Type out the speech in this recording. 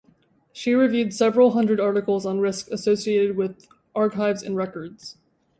She reviewed several hundred articles on risk associated with archives and records.